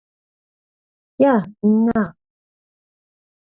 やあ！みんな